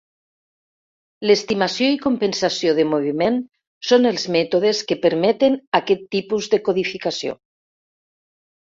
L'estimació i compensació de moviment són els mètodes que permeten aquest tipus de codificació.